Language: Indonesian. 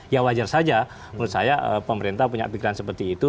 ya wajar saja menurut saya pemerintah punya pikiran seperti itu